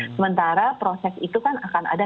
sementara proses itu kan akan ada